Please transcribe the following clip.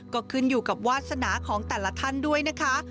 ก็ขึ้นอยู่กับวาสนาของแต่ละท่านด้วยนะคะ